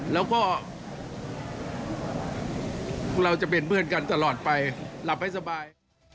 แล้วก็เราจะเป็นเพื่อนกันตลอดไปหลับให้สบาย